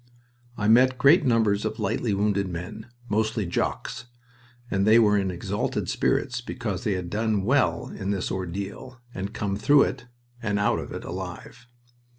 I met great numbers of the lightly wounded men, mostly "Jocks," and they were in exalted spirits because they had done well in this ordeal and had come through it, and out of it alive.